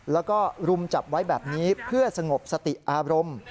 แล้วก็รุมจับไว้แบบนี้เพื่อสงบสติอารมณ์